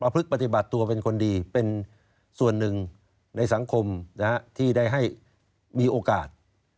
พลึกปฏิบัติตัวเป็นคนดีเป็นส่วนหนึ่งในสังคมที่ได้ให้มีโอกาส